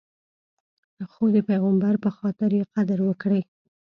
خو د پیغمبر په خاطر یې قدر وکړئ.